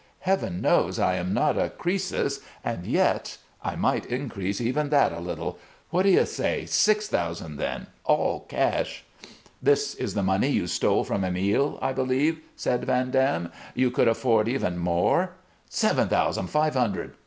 Heaven knows I am not a Cr[oe]sus, and yet I might increase even that a little. What do you say? Six thousand, then, all cash?" "This is the money you stole from Emile, I believe," said Van Dam. "You could afford even more " "Seven thousand five hundred!"